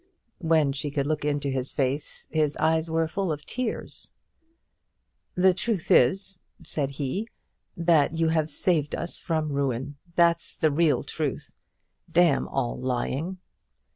When she could look into his face his eyes were full of tears. "The truth is," said he, "that you have saved us from ruin; that's the real truth. Damn all lying!"